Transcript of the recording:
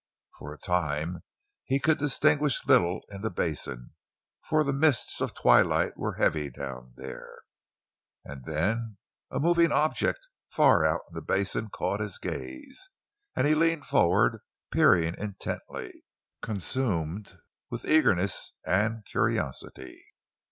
For a time he could distinguish little in the basin, for the mists of twilight were heavy down there. And then a moving object far out in the basin caught his gaze, and he leaned forward, peering intently, consumed with eagerness and curiosity.